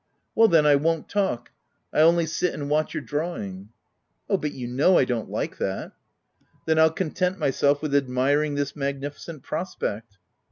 "Well then, I won't talk. I'll only sit and watch your drawing." " Oh, but you know I don't like that." " Then I'll content myself with admiring this magnificent prospect."